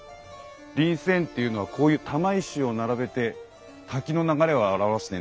林泉っていうのはこういう玉石を並べて滝の流れを表してんですね。